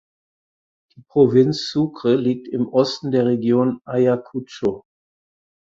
Die Provinz Sucre liegt im Osten der Region Ayacucho.